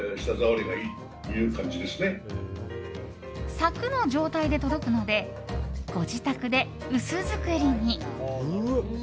サクの状態で届くのでご自宅で薄造りに。